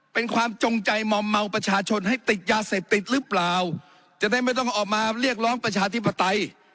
เป็นความจงใจมอมเมาประชาชนให้ติดยาเสพติดหรือเปล่าจะได้ไม่ต้องออกมาเรียกร้องประชาธิปไตย